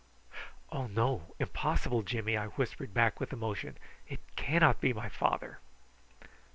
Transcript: "Oh no! impossible, Jimmy," I whispered back with emotion. "It cannot be my father."